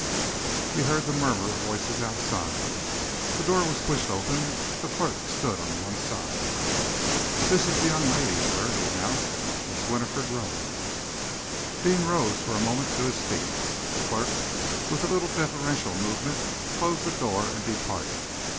He heard the murmur of voices outside. The door was pushed open. The clerk stood on one side. "This is the young lady, sir," he announced, "Miss Winifred Rowan." Deane rose for a moment to his feet. The clerk, with a little deferential movement, closed the door and departed.